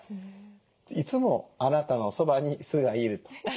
いつもあなたのそばに酢がいると。